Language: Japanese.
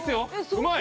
うまい！